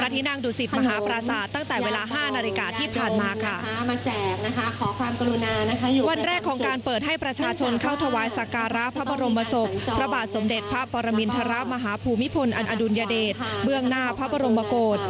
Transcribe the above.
ทุกคนอันอดุลยเดชเบื้องหน้าพระบรมโมโกศ